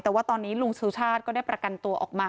แต่ว่าตอนนี้ลุงสุชาติก็ได้ประกันตัวออกมา